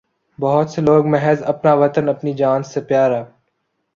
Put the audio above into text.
بہت سے لوگ محض اپنا وطن اپنی جان سے پیا را